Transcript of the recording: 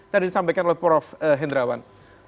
tadi disampaikan oleh prof hendrawan